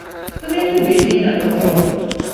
তুমি একটু বেশীই নাটক করো!